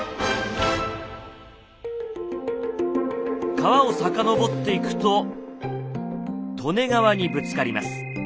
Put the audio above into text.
川を遡っていくと利根川にぶつかります。